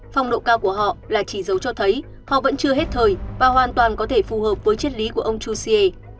phong độ cao của họ là chỉ dấu cho thấy họ vẫn chưa hết thời và hoàn toàn có thể phù hợp với chiếc lý của ông chu xie